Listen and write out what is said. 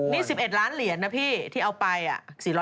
นี่๑๑ล้านเหรียญนะพี่ที่เอาไป